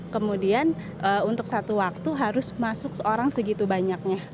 kemudian untuk satu waktu harus masuk orang segitu banyaknya